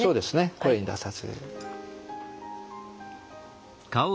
声に出さず。